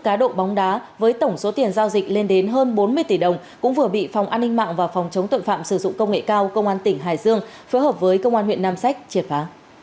cá độ bóng đá với tổng số tiền giao dịch lên đến hơn bốn mươi tỷ đồng cũng vừa bị phòng an ninh mạng và phòng chống tội phạm sử dụng công nghệ cao công an tỉnh hải dương phối hợp với công an huyện nam sách triệt phá